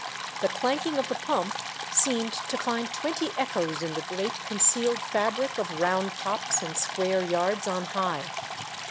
The clanking of the pump seemed to find twenty echoes in the great concealed fabric of round tops and square yards on high.